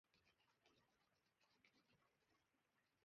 パンダがダイエットを始めて、「竹だけじゃ物足りない」とつぶやいた